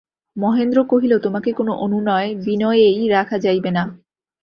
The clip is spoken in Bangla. মহেন্দ্র কহিল, তোমাকে কোনো অনুনয়-বিনয়েই রাখা যাইবে না?